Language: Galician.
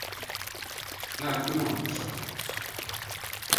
Claro que non, Sócrates.